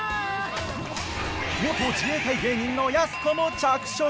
元自衛隊芸人のやす子も着色！